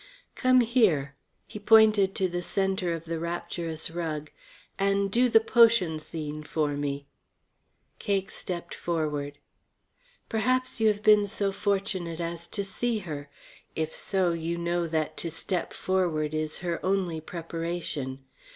"Come here" he pointed to the centre of the rapturous rug "and do the potion scene for me." Cake stepped forward. Perhaps you have been so fortunate as to see her. If so you know that to step forward is her only preparation.